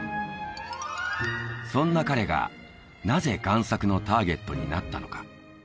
そんな彼がなぜ贋作のターゲットになったのか？